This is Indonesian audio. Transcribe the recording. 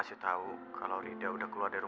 tampaknya harus panggil